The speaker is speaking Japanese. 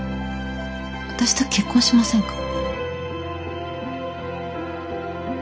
私と結婚しませんか。